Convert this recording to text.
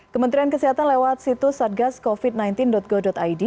kementerian kesehatan lewat situs satgascovid sembilan belas go id